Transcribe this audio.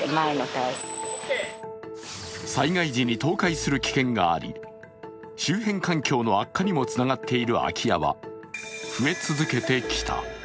災害時に倒壊する危険があり周辺環境の悪化にもつながっている空き家は増え続けてきた。